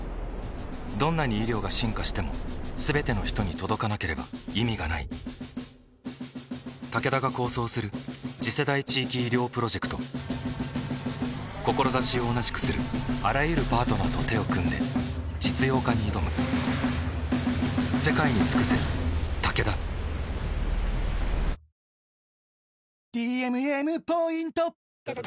どんなに医療が進化しても全ての人に届かなければ意味がないタケダが構想する次世代地域医療プロジェクト志を同じくするあらゆるパートナーと手を組んで実用化に挑むさあ今田さん